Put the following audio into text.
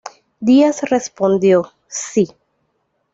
Díaz respondió: ""Sí.